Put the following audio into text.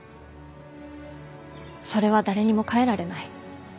それは誰にも変えられない。